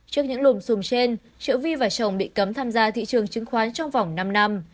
trước những lùm xùm trên trợ vi và chồng bị cấm tham gia thị trường chứng khoán trong vòng năm năm